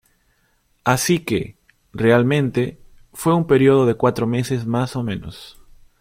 Así que, realmente, fue un período de cuatro meses más o menos.